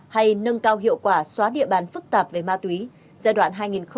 hay nâng cao hiệu quả xóa địa bàn phức tạp về ma túy giai đoạn hai nghìn hai mươi một hai nghìn hai mươi năm